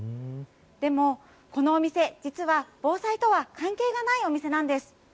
でも、このお店、実は防災とは関係がないお店なんです。